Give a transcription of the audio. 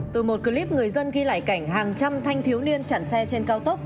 từ một clip người dân ghi lại cảnh hàng trăm thanh thiếu niên chặn xe trên cao tốc